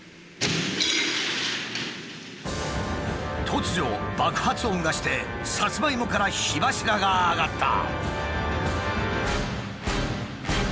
突如爆発音がしてサツマイモから火柱が上がった。